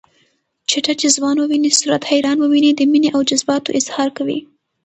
چټه چې ځوان وويني صورت حیران وويني د مینې او جذباتو اظهار کوي